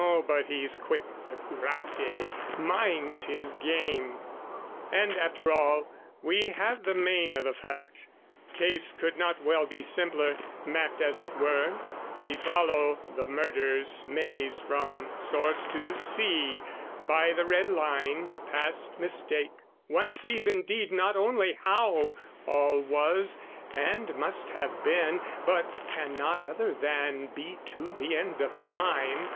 Oh but he's quick, the Curate, minds his game! And, after all, we have the main o' the fact: Case could not well be simpler, mapped, as it were, We follow the murder's maze from source to sea, By the red line, past mistake: one sees indeed Not only how all was and must have been, But cannot other than be to the end of time.